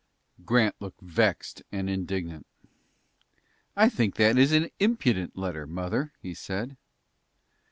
Grant looked vexed and indignant. "I think that is an impudent letter, mother," he said.